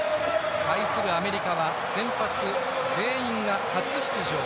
対するアメリカは先発全員が初出場。